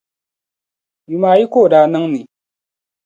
Yumaayi ka o daa niŋ ni.